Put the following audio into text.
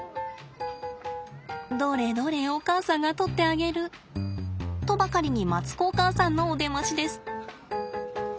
どれどれお母さんが取ってあげるとばかりにマツコお母さんのお出ましです。